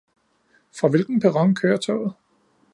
Fra hvilken perron kører toget?